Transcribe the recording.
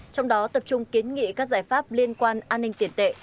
trong đó tập trung kiến nghị các giải pháp liên quan an ninh tiền tệ